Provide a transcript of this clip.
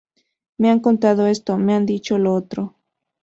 Me han contado esto, me han dicho lo otro.